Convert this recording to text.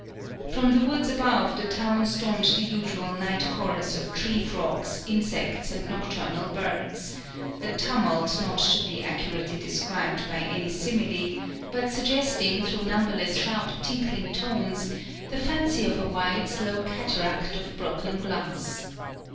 From the woods above the town stormed the usual night chorus of tree frogs, insects, and nocturnal birds, a tumult not to be accurately described by any simile, but suggesting, through numberless sharp tinkling tones, the fancy of a wide slow cataract of broken glass.